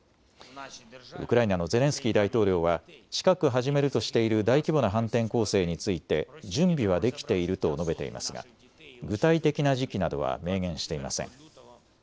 ウクライナのゼレンスキー大統領は近く始めるとしている大規模な反転攻勢について準備はできていると述べていますが具体的な時期などは明言していません。